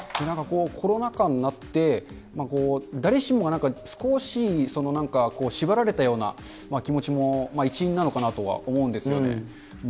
コロナ禍になって、誰しもがなんか少し、なんか縛られたような気持ちも一因なのかなとは思うんですよね。